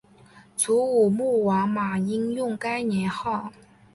楚武穆王马殷用该年号。